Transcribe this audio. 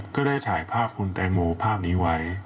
ก็ได้ถ่ายภาพคุณแตงโมภาพนี้ไว้